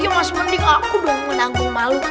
iya mas mending aku belum menangguh malu